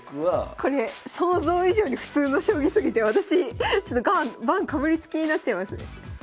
これ想像以上に普通の将棋すぎて私ちょっと盤かぶりつきになっちゃいますね。